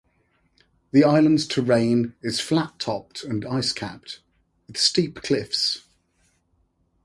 The island's terrain is flat-topped and ice-capped, with steep cliffs.